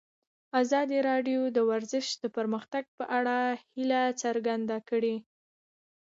ازادي راډیو د ورزش د پرمختګ په اړه هیله څرګنده کړې.